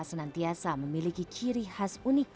senantiasa memiliki ciri khas unik